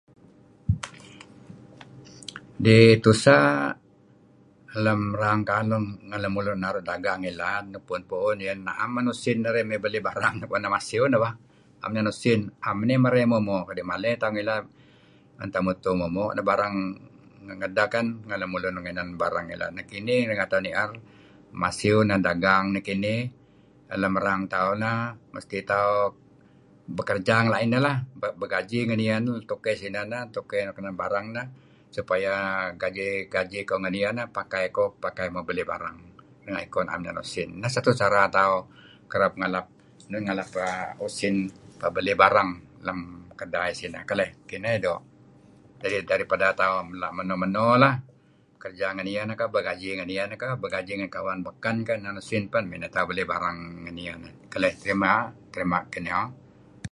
"Nih tuseh lem rang tauh malem mulun nuk naru' dagang malem. Pad nuk puun-puun naem men usin narih may belih iih barang nok bah. Usin naem iyeh marey moo' moo'. Kadi' maley tauh ngilad tuen tauh mutuh moo'-moo' teh barang ngedeh kan, ngen lemulun nuk inan barang. Nekinih renga narih nier masiew inan dagang neh nekinih lem erang tauh neh mesti tauh bekerja ngen laih ineh lah. Begaji ngen iyeh. Ngen towkey sineh nuk inan barang neh supaya gaji ko ngen iyeh pakai ko mebelih barang renga' iko naem usin. Neh satu cara tauh kereb ngalap nun ngalap usin pah belih barang lem kedai sineh kaleh. Leh kineh iyeh doo'. Daripada tauh la' meno-meno lah, kerja ngen iyeh neh pegaji ngen iyeh, kerab pegaji ngen kawan baken nuk inan usin pen. Neh tauh balih barang ngen iyeh. Kaleyh. ""Terima' terima ken nya"" (Iban words)"